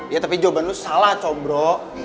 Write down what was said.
ya tapi jawaban lu salah cobro